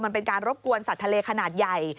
มันเป็นการรบกวนสัตว์ทะเลขนาดใหญ่